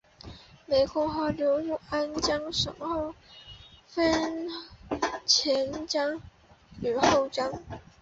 湄公河流入安江省后分前江与后江。